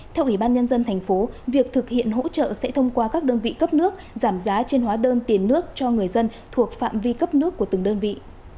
theo ủy ban nhân dân thành phố việc thực hiện hỗ trợ sẽ thông qua các đơn vị cấp nước giảm giá trên hóa đơn tiền nước cho người dân thuộc phạm vi cấp nước của từng đơn vị